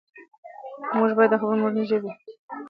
موږ باید د مورنۍ ژبې په اهمیت پوه سو.